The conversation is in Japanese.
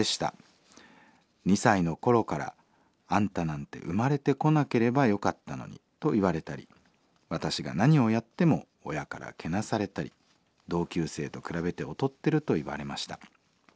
２歳の頃から『あんたなんて生まれてこなければよかったのに』と言われたり私が何をやっても親からけなされたり同級生と比べて劣ってると言われました。